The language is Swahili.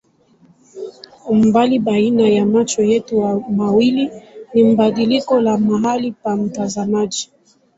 Umbali baina ya macho yetu mawili ni badiliko la mahali pa mtazamaji.